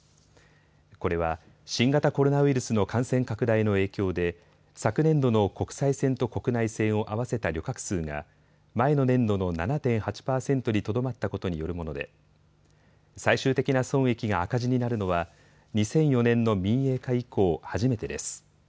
これは新型コロナウイルスの感染拡大の影響で昨年度の国際線と国内線を合わせた旅客数が前の年度の７．８％にとどまったことによるもので最終的な損益が赤字になるのは２００４年の民営化以降初めてです。